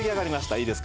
いいですか？